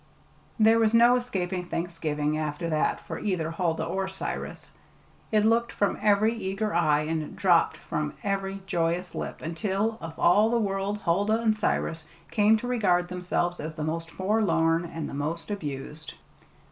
There was no escaping Thanksgiving after that for either Huldah or Cyrus. It looked from every eager eye, and dropped from every joyous lip, until, of all the world Huldah and Cyrus came to regard themselves as the most forlorn, and the most abused.